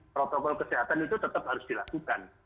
protokol kesehatan itu tetap harus dilakukan